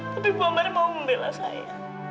tapi bu ambar mau membela saya